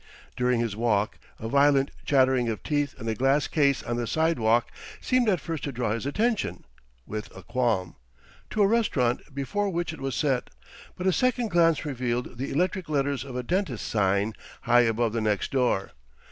During his walk a violent chattering of teeth in a glass case on the sidewalk seemed at first to draw his attention (with a qualm), to a restaurant before which it was set; but a second glance revealed the electric letters of a dentist's sign high above the next door.